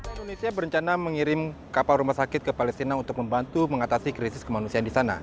indonesia berencana mengirim kapal rumah sakit ke palestina untuk membantu mengatasi krisis kemanusiaan di sana